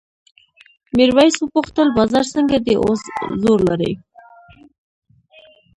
میرويس وپوښتل بازار څنګه دی اوس زور لري؟